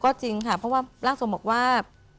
ก็จริงค่ะเพราะว่าร่างทรงบอกว่า